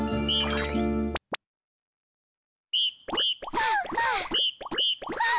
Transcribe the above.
はあはあ。